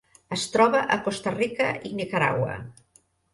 Es troba a Costa Rica i Nicaragua.